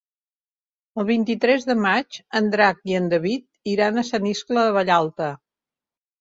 El vint-i-tres de maig en Drac i en David iran a Sant Iscle de Vallalta.